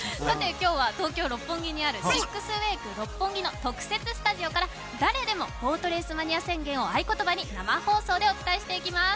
今日は東京・六本木にあるＳＩＸＷＡＫＥＲＯＰＰＯＮＧＩの特設スタジオから、「誰でもボートレースマニア宣言」を合い言葉に生放送でお伝えしていきます。